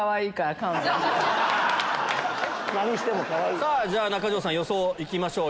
さぁ中条さん予想行きましょう。